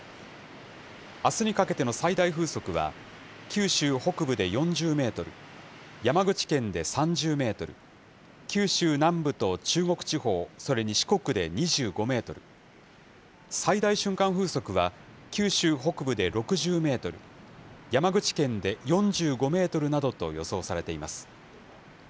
あすにかけての最大風速は、九州北部で４０メートル、山口県で３０メートル、九州南部と中国地方、それに四国で２５メートル、最大瞬間風速は、九州北部で６０メートル、山口県で４５メートルなどと予想されています。